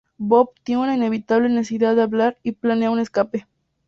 Bob tiene una inevitable necesidad de hablar y planea un escape.